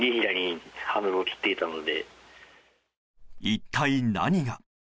一体何が？